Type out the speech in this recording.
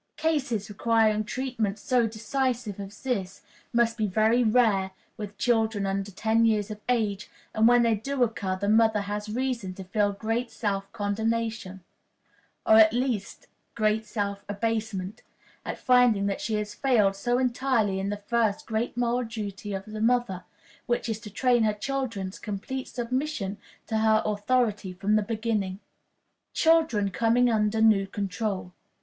Cases requiring treatment so decisive as this must be very rare with children under ten years of age; and when they occur, the mother has reason to feel great self condemnation or at least great self abasement at finding that she has failed so entirely in the first great moral duty of the mother, which is to train her children to complete submission to her authority from the beginning. Children coming under New Control.